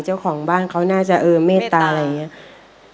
เจ้าของบ้านเขาน่าจะเออเมตตาอะไรอย่างนี้